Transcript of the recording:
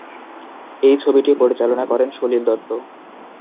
এই ছবিটি পরিচালনা করেন সলিল দত্ত।